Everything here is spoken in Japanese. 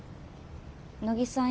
乃木さん